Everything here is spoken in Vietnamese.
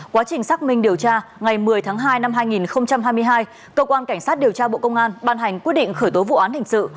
quá trình xác minh điều tra ngày một mươi tháng hai năm hai nghìn hai mươi hai cơ quan cảnh sát điều tra bộ công an ban hành quyết định khởi tố vụ án hình sự